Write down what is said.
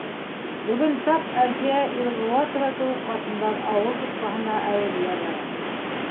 Бөгөн тап Әлфиә Илғыуатова кеүек ҡатындар ауыл тотҡаһына әүерелә бара.